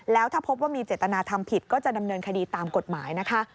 แล้วถ้าพบว่ามีเจตนาทำผิดก็จะดำเนินคดีตามกฎหมายนะคะ